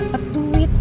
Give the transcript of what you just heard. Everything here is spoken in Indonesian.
kita butuh dapet duit